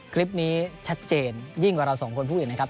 คลิปนี้ชัดเจนยิ่งกว่าเราสองคนพูดอีกนะครับ